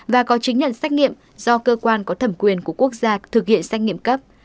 và có chứng nhận xét nghiệm do cơ quan có thẩm quyền của quốc gia thực hiện xét nghiệm cấp